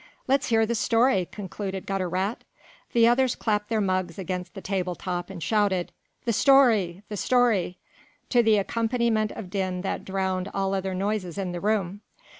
"Let's hear the story," concluded Gutter rat. The others clapped their mugs against the table top and shouted: "The story! the story!" to the accompaniment of din that drowned all other noises in the room.